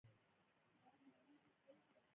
آیا اوبه په راتلونکي کې لویه شتمني نه ده؟